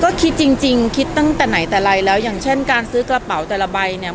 ก็คิดจริงคิดตั้งแต่ไหนแต่ไรแล้วอย่างเช่นการซื้อกระเป๋าแต่ละใบเนี่ย